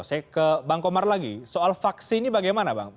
saya ke bang komar lagi soal vaksin ini bagaimana bang